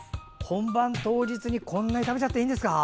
本番当日こんなに食べていいんですか。